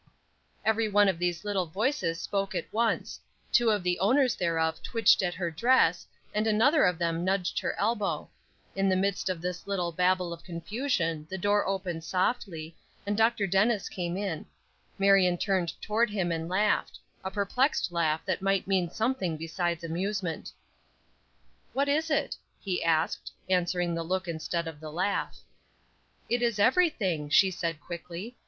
Every one of these little voices spoke at once; two of the owners thereof twitched at her dress, and another of them nudged her elbow. In the midst of this little babel of confusion the door opened softly, and Dr. Dennis came in. Marion turned toward him and laughed a perplexed laugh that might mean something besides amusement. "What is it?" he asked, answering the look instead of the laugh. "It is everything," she said, quickly.